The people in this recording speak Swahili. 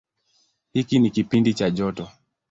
Hiki ni kipindi cha joto.